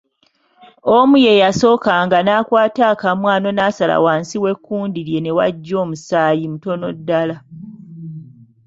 Omu ye yasookanga n’akwata akamwano n’asala wansi w’ekkundi lye ne wajja omusaayi mutono ddala.